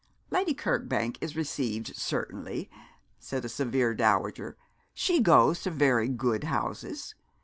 'Lady Kirkbank is received, certainly,' said a severe dowager. 'She goes to very good houses.